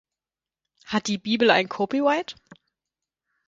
Hat die Bibel ein Copyright?